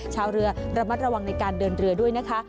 ชาวเรือระมัดระวังในการเดินเรือด้วยนะคะ